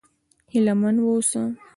هيله من و اوسه!